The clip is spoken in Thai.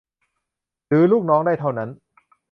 หรือลูกน้องได้เท่านั้น